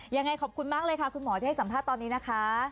ยังไงขอบคุณมากเลยค่ะคุณหมอที่ให้สัมภาษณ์ตอนนี้นะคะ